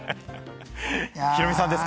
ヒロミさんですか？